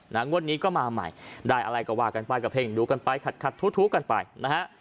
งวดนี้ก็มาใหม่ได้อะไรก็ว่ากันไปก็เพ่งดูกันไปขัดขัดทุกันไปนะฮะ